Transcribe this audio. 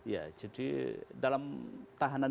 ya jadi dalam tahanan